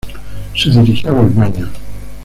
Se dirigió a los baños.